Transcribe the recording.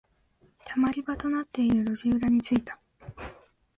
溜まり場となっている路地裏に着いた。